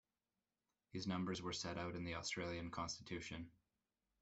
These numbers were set out in the Australian Constitution.